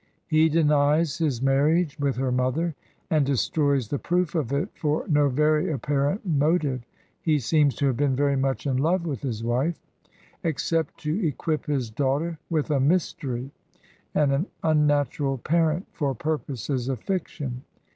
He denies his marriage with her mother, and de stroys the proof of it for no very apparent motive (he seems to have been very much in love with his wife), except to equip his daughter with a mystery and an un natural parent for purposes of fiction.